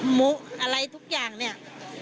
หมูอะไรทุกอย่างเนี่ย